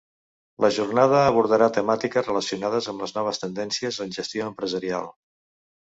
La jornada abordarà temàtiques relacionades amb les noves tendències en gestió empresarial.